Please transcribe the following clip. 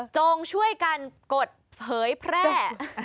จงช่วยกันกดเผยแพร่